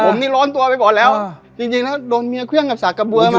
ผมนี่ร้อนตัวไปก่อนแล้วจริงจริงแล้วโดนเมียเครื่องกับสากกระเบือมา